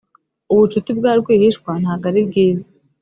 ubucuti bwa rwihishwa ntago ari bwiza